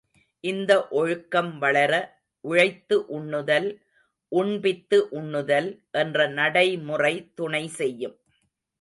இந்த ஒழுக்கம் வளர, உழைத்து உண்ணுதல், உண்பித்து உண்ணுதல் என்ற நடைமுறை துணை செய்யும்.